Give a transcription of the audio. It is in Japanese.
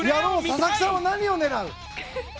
佐々木さんは何を狙う？